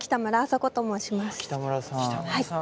北村さん。